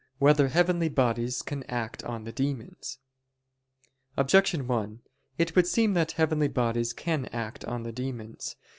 5] Whether Heavenly Bodies Can Act on the Demons? Objection 1: It would seem that heavenly bodies can act on the demons.